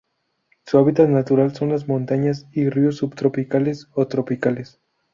Su hábitat natural son las montañas y ríos subtropicales o tropicales.